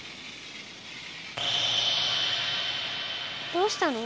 どうしたの？